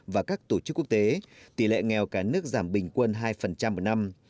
và các tổ chức quốc tế tỷ lệ nghèo cả nước giảm bình quân hai một năm